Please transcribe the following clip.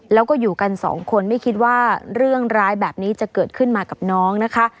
แล้วก็อยู่กันสองคนไม่คิดว่าเรื่องร้ายแบบนี้จะเกิดขึ้นมากับน้องนะคะ